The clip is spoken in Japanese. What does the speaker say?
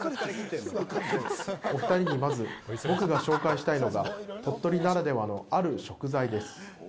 お２人にまず僕が紹介したいのが、鳥取ならではのある食材です。